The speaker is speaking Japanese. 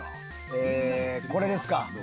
これですか。